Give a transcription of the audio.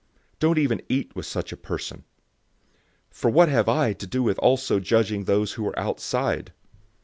Don't even eat with such a person. 005:012 For what have I to do with also judging those who are outside?